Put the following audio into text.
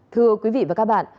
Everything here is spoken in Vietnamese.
thưa quý vị và các bạn